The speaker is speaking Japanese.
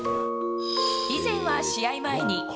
以前は、試合前に。